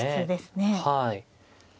はい。